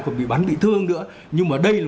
còn bị bắn bị thương nữa nhưng mà đây là